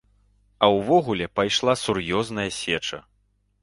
А ўвогуле пайшла сур'ёзная сеча.